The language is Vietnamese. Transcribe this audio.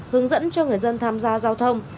hướng dẫn cho người dân tham gia giao thông